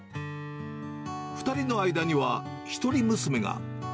２人の間には、一人娘が。